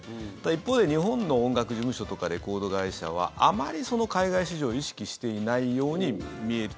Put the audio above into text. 一方で日本の音楽事務所とかレコード会社はあまりその海外市場を意識していないように見える。